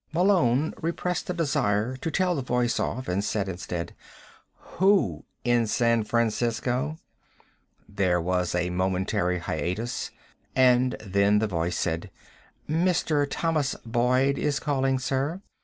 Malone repressed a desire to tell the voice off, and said instead: "Who in San Francisco?" There was a momentary hiatus, and then the voice said: "Mr. Thomas Boyd is calling, sir.